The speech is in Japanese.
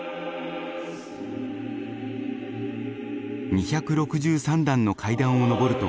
２６３段の階段を上ると。